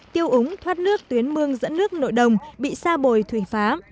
tiêu úng thoát nước tuyến mương dẫn nước nội đồng bị xa bồi thủy phá